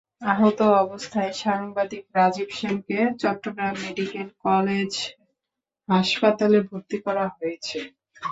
আহত অবস্থায় সাংবাদিক রাজীব সেনকে চট্টগ্রাম মেডিকেল কলেজ হাসপাতালে ভর্তি করা হয়েছে।